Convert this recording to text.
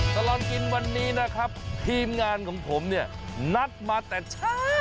ตลอดกินวันนี้นะครับทีมงานของผมเนี่ยนัดมาแต่เช้า